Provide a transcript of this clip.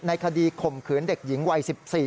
คดีข่มขืนเด็กหญิงวัย๑๔